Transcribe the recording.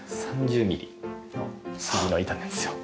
３０ミリの杉の板なんですよ。